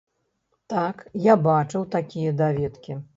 Так, я бачыў такія даведкі.